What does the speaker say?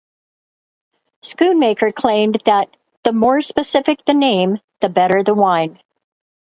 Schoonmaker claimed that "the more specific the name, the better the wine".